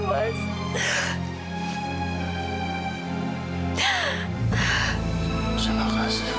terima kasih tuhan